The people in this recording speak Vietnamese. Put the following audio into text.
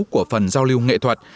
của phần giao lưu nghệ thuật